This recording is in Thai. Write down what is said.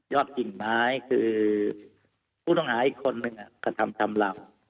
กิ่งไม้คือผู้ต้องหาอีกคนนึงกระทำชำราว